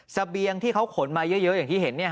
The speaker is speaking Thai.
เสบียงที่เขาขนมาเยอะอย่างที่เห็น